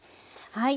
はい。